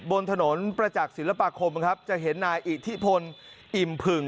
บนถนนประจักษ์ศิลปาคมครับจะเห็นนายอิทธิพลอิ่มผึ่ง